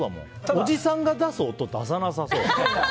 おじさんが出す音を出さなさそう。